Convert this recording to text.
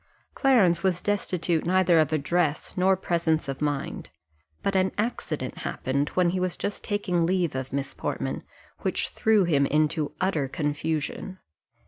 Clarence was destitute neither of address nor presence of mind; but an accident happened, when he was just taking leave of Miss Portman, which threw him into utter confusion.